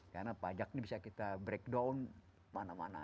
karena pajak ini bisa kita break down mana mana